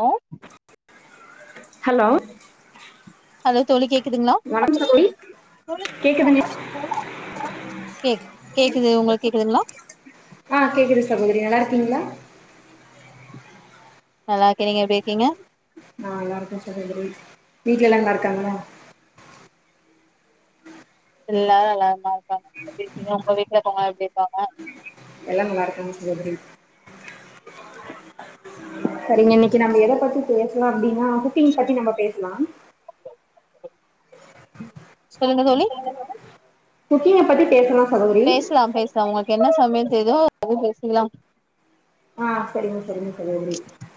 hello hello hello தோழி கேக்குதுங்களா வணக்கம் சகோதரி கேக்குதுங்க கேக் கேக்குது உங்களுக்கு கேக்குதுங்களா ஆ கேட்குது சகோதரி நல்லா இருக்கீங்களா நல்லா இருக்கே நீங்க எப்புடி இருக்கீங்க நா நல்லாருக்கே சகோதரி வீட்ல எல்லா நல்லா இருக்காங்களா எல்லாரு நல்லாருக்காக இருக்காங்க சகோதரி நீங்க உங்க வீட்டுல உள்ளவங்க எப்டி இருக்காங்க எல்லா நல்லா இருக்காங்க சகோதரி சரிங்க இன்னைக்கு நம்ம எத பத்தி பேசலா அப்புடின்னா குக்கிங் பத்தி நம்ம பேசலா சொல்லுங்க தோழி குக்கிங்க பத்தி பேசலா சகோதரி பேசலா பேசலாம் உங்களுக்கு என்ன சமயல் தெரியுதோ அது பத்தி பேசிக்கலாம் ஆஹ் சேரிங்க சரிங்க சகோதரி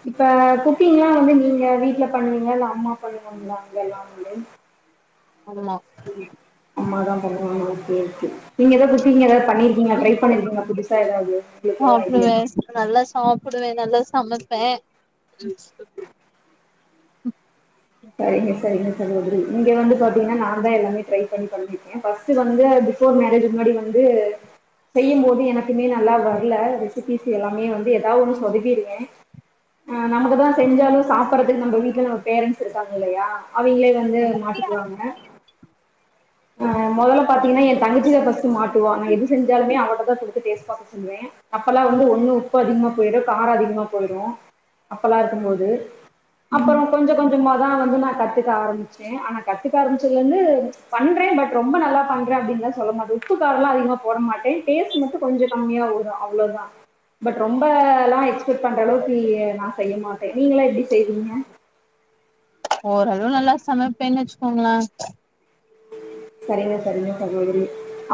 இப்ப குக்கீங்க ளா வந்து நீங்க வீட்ல பண்ணுவீங்க இல்லே அம்மா பண்ணுவாங்கலா அங்கல்லா ஆமா அம்மாத பண்ணுவாங்க நீங்க ஏதாவது குக்கீங் ஏதாவது பண்ணிருக் நீங்க ட்ரை பண்ணிருக்கீங்களா புதுசா ஏதாவது உங்களுக்கு ஏதாது ஐடியா சாப்டுவே இருக் நல்லா சாப்பிடுவே நல்லா சமைப்பே சரிங்க சரிங்க சகோதரி இங்க வந்து பாத்தீங்கன்னா நா தா எல்லாமே ட்ரை பண்ணி பண்ணிருக்கே ஃபஸ்ட் ஃபஸ்ட் வந்து பிபோர் மேரேஜ் முன்னாடி வந்து செய்யு போது எனக்குமே நல்லா வரலே குக்கீஸ் எல்லாமே வந்து ஏதாவது ஒன்னு சொதப்பிருவே ஆ நமக்குதா செஞ்சாலு சாப்புட்றதுக்கு நம்ப வீட்ல நம்ம பேரண்ட்ஸ் இருக்காங்க இல்லையா அவிங்களே வந்து மாட்டிக்குவாங்க ஆ மொதல்ல பாத்தீங்கனா ஏ தங்கச்சி தா ஃபஸ்ட்டு மாட்டுவா நா எது செஞ்சாலுமே அவட்டதா குடுத்து டேஸ்ட் பாக்க சொல்லுவே அப்பலா வந்து ஒன்னு உப்பு அதிகமா போயிரு கார அதிகமா போயிரு அப்பலா இருக்கும்போது ம் அப்பறோ கொஞ்ச கொஞ்சமா தா வந்து நா கத்துக்க ஆரம்மிச்சே ஆனா கத்துக்க ஆரம்மிச்சதுல இருந்து பண்றே பட் ரொம்ப நல்லா பண்றே அப்டின்ல சொல்ல மாட்டே உப்பு காரலா அதிகமா போட மாட்டே டேஸ்ட் டு மட்டு கொஞ்ச கம்மியா வரு அவ்ளோதா பட் ரொம்பலா எக்ஸ்பெக்ட் பண்ற அளவுக்கு ஐய நா செய்ய மாட்டே நீங்களா எப்டி செய்வீங்க ஓரளவு நல்லா சமைப்பேனு வச்சுக்கோங்களே சரிங்க சரிங்க சகோதரி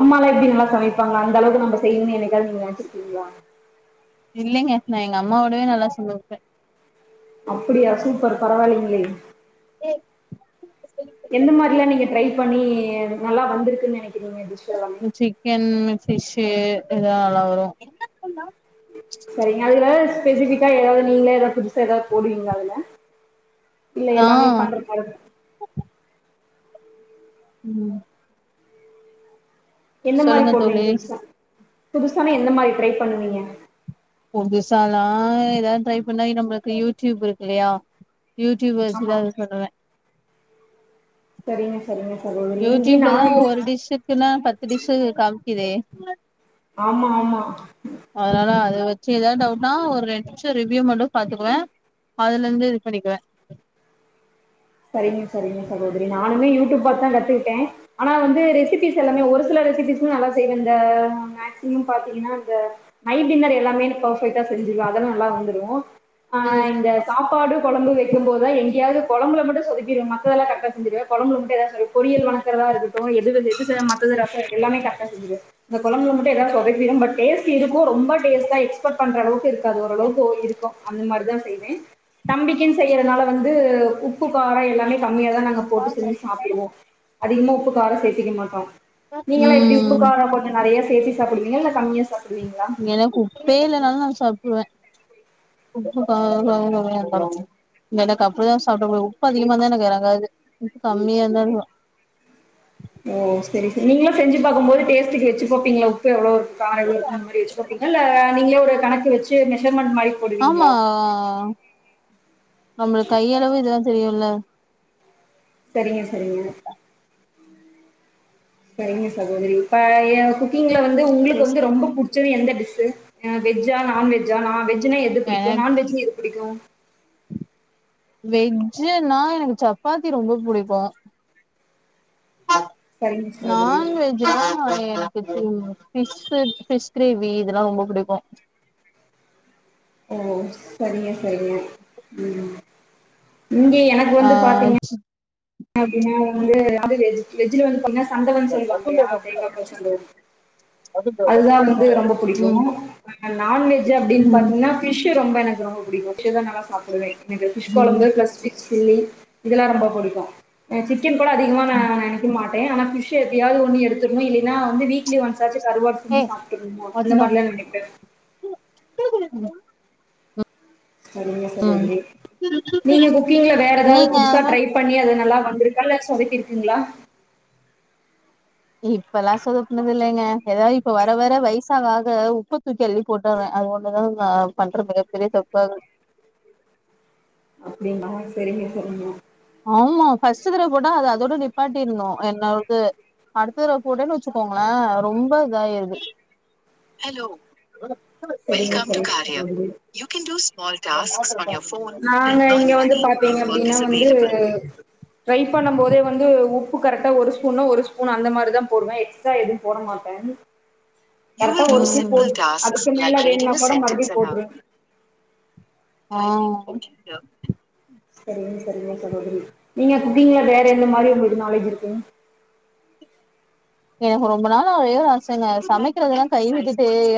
அம்மாலா எப்டி நல்லா சமைப்பாங்ளா அந்த அளவுக்கு நம்ப செய்யணுனு என்னைக்காவ்து நீங்க நெனைச்சிருக்கீங்ளா இல்லைங்க நா எங்க அம்மவோடவே நல்லா சமைப்பே அப்புடியா சூப்பர் பரவால்லைங்ளே எந்த மாரிலா நீங்க ட்ரைப் பண்ணி நல்லா வந்துருக்குன் நெனைக்கிறீங்க ம் சிக்கன் பிஷ்ஷு இதுலா நல்லா வரு செரிங்க அதுல ஸ்பெசிஃபிக்கா எதாவ்து நீங்க எதா புதுசா எதாவ்து போடுவீங்லா அதுல இல்ல எல்லாமே ஆ பண்ற மாரிதா ம் எந்த மாரி சொல்லுங்க போடுவீங்க தோழி புதுசா புதுசான எந்த மாரி ட்ரைப் பண்ணுவீங்க புதுசால எதாது ட்ரைப் பண்ணா நம்பளுக்கு யூடியூப் இருக்கு இல்லையா யூடியூப் வச்சு ஆமா எதாவாது பண்ணுவே சரிங்க சரிங்க சகோதரி இங்க நாளைக்கு க்குனா பத்து டிஸ்ஷு காமிக்குதே ஆமா ஆமா அதனால அத வெச்சு எதாவ்து டவுட்னா ஒரு ரெண்ட் நிம்ஷோ ரிவ்யூ மட்டு பாத்துக்குவே அதுல இருந்து இது பண்ணிக்குவே சரிங்க சரிங்க சகோதரி நானுமே யூடியூப் பாத்து தா கத்துக்கிட்டே ஆனா வந்து ரெசிபிஸ் எல்லாமே ஒரு சில ரெசிபிஸ்லா நல்லா செய்வே இந்த மேக்சிமம் பாத்தீங்னா இந்த நைட் டின்னர் எல்லாமே நா பேர்ஃபெக்ட்டா செஞ்சுருவே அதெல்லா நல்லா வந்துரு ஆ ம் இந்த சாப்பாடு கொழம்பு வெக்கும் போது தா எங்கெயாவ்து கொழம்புல மட்டு சொதப்பிரு மத்ததெல்லா கரெக்டா செஞ்சுருவே கொழம்புல மட்டு எதாச்சு சொதப் பொரியல் வணக்குறதா இருக்கட்டு எதுவு சேரி புடிச்சதுல மத்ததது ரச எல்லாமே கரெக்டா செஞ்சுருவே இந்த கொழம்புல மட்டு எதாவ்து சொதப்பிரு பட் டேஸ்ட் இருக்கு ரொம்ப டேஸ்டா எக்ஸ்பக்ட் பண்ற அளவுக்கு இருக் அது ஓரளவுக்கு ஓ இருக்கு அந்த மாரிதா செய்வே தம்பிக்குன் செய்றதுனால வந்து உப் உப்பு கார எல்லாமே கம்மியாதா நாங்க போட்டு செஞ்சு சாப்புடுவோ அதிகமா உப்பு கார சேத்துக்க மாட்டோ நீங்கள்லா எப்டி உப்பு ம் கார கொஞ்ச நெறையா சேத்தி சாப்டுவீங்களா இல்ல கம்மியா சாப்டுவீங்களா எனக்கு உப்பே இல்லனாலு நா சாப்டுருவே உப்பு காரோ கம்மியா இருக்கனு எனக்கு அப்டி தா சாப்ட புடிக்கு உப்பு அதிகமா இருந்தா எனக்கு எறங்காது உப்பு கம்மியா இருந்தாலு ஓ செரி செரி நீங்களு செஞ்சு பாக்கும் போது டேஸ்ட்க்கு வெச்சு பாப்பீங்ளா உப்பு எவ்ளோ இருக்கு கார எவ்ளோ இருக்கு அந்த மாரி வெச்சு பாப்பீங் ளா இல்ல நீங்களே ஒரு கணக்கு வெச்சு மெஷர்மெண்ட் மாரி ஆமா போடுவீங்களா நம்மளுக்கு கையளவு இதெல்லா தெரியுல செரிங்க செரிங்க செரிங்க சகோதரி இப்ப எ குக் நீங்ளே வந்து உங்களுக்கு வந்து ரொம்ப புடிச்சது எந்த டிஷ்ஷூ அ வெஜ்ஜா நான்வெஜ் ஜா நா வெஜ்ஜுனா எது புடிக்கு நான்வெஜ்னா எது புடிக்கு வெஜ்ஜுனா எனக்கு சப்பாத்தி ரொம்ப புடிக்கு சரிங்க சகோதரி நான்வெஜ் ஜுனா எனக்கு இது ஃபிஷ் ஃபிஷ் கிரேவி இதெல்லா ரொம்போ புடிக்கு ஓ சரிங்க சரிங்க, ம், இங்க எனக் ஆ சிக் அப்டின்னா வந்து அது வெஜ் வெஜ்ல வந்து பாத்தீங்னா சங்கவம் சொல்வாங்க இல்லயா தேங்காப்பால் சங்கவம் அதுதா வந்து ரொம்ப புடிக்கு நா ம் நான்வெஜ் அப்டின்னு ம் பாத்தீங்ன்னா ஃபிஷ் ரொம்ப எனக்கு ரொம்ப புடிக்கு ஃபிஷ்தா நல்லா சாப்டுவே ஃபிஷ் ம் கொழம்பு பிளஸ் ஃபிஷ் சில்லி இதெல்லா ரொம்ப புடிக்கு எனக்கு சிக்கன் கூட அதிகமா நா நெனைக்க மாட்டே ஆனா ஃபிஷ் க்கு எப்டியாவுது ஒண்ணு எடுத்துருனு இல்லின்னா வந்து வீக்லி ஒன்ஸ் ஆச்சு கருவாடு ஏ செஞ்சு சாப்ட்டுருனு அந்த மாரிலா நெனப்பே குளு குளு குளு சரிங்க ம் சகோதரி, நீங்க குக்கிங்ல வேற ஏதாவது நீங்க புதுசா அது மாரி டிரை பண்ணி அது நல்லா வந்திருக்கா இல்ல சொதப்பிருக்குங்ளா இப்பல்லா சொதப்பினது இல்லங்க ஏதாது இப்ப வர வர வயசு ஆக ஆக உப்பு தூக்கி அள்ளி போட்டுறே அது ஒன்னுதா நா பண்ற மிகப்பெரிய தப்பாவுது அப்டிங்ளா செரிங்க செரிங்க ஆமா ஃபர்ஸ்ட் தடவ போட்டா அது அதோட நிப்பாட்டிருனு என்னோடது அடுத்ததடவ போட்டேன்னு வச்சுக்கோங்களே ரொம்ப இதாயிருது சரிங்க சரிங்க சகோதரி து ஃப்ரை பண்ணும்போதே வந்து உப்பு கரெக்டா ஒரு ஸ்பூன்ன ஒரு ஸ்பூன் அந்த மாரிதா போடுவே எக்ஸ் ட்ரா எதும் போட மாட்டே கரெக்டா ஒரு ஸ்பூன் போட்டு அது மேல வேணுனா கூட மறுபடியு போட்டுருவே ஆ சரிங்க சரிங்க சகோதரி நீங்க குக்கிங்ல வேற எந்த மாரி உங்களுக்கு நாலேஜ் இருக்கு எனக்கு ரொம்ப நாள ஒரே ஒரு ஆசங்க சமைக்கறதெல்லா கைவிட்டுட்டு